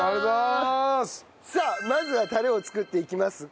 さあまずはタレを作っていきます。